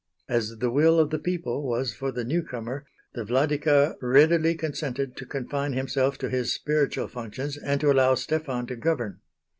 As the will of the people was for the new comer, the Vladika readily consented to confine himself to his spiritual functions and to allow Stefan to govern.